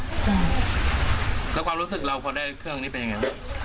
แล้วความรู้สึกเราพอได้เครื่องนี้เป็นยังไง